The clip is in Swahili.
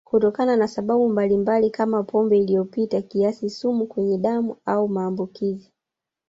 Kutokana na sababu mbalimbali kama pombe iliyopita kiasi sumu kwenye damu au maambukizi